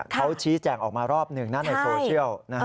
เขาชี้แจงออกมารอบหนึ่งนะในโซเชียล